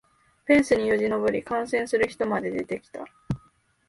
フェンスによじ登り観戦する人まで出てきた